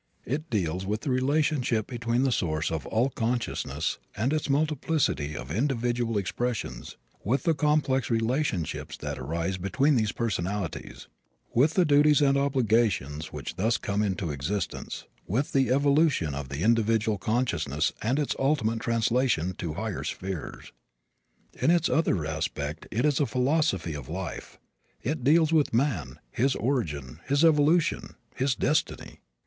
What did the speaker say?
It deals with the relationship between the source of all consciousness and its multiplicity of individual expressions; with the complex relationships that arise between these personalities; with the duties and obligations which thus come into existence; with the evolution of the individual consciousness and its ultimate translation to higher spheres. In its other aspect it is a philosophy of life. It deals with man, his origin, his evolution, his destiny.